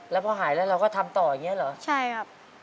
แล้วพอหายแล้วเราก็ทำต่ออย่างนี้เหรอใช่ครับ